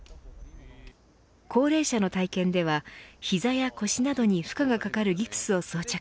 高齢者の体験では膝や腰などに負荷がかかるギプスを装着。